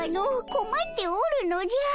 こまっておるのじゃ。